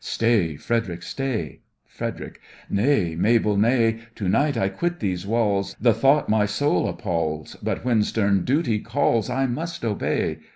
Stay, Frederic, stay! FREDERIC: Nay, Mabel, nay! To night I quit these walls, The thought my soul appalls, But when stern Duty calls, I must obey.